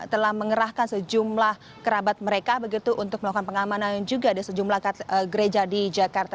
telah mengerahkan sejumlah kerabat mereka begitu untuk melakukan pengamanan juga di sejumlah gereja di jakarta